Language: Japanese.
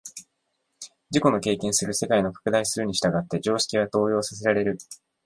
自己の経験する世界の拡大するに従って常識は動揺させられる。